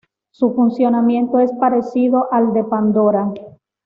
Su funcionamiento es parecido al de Pandora.